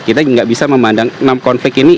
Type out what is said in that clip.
kita nggak bisa memandang enam konflik ini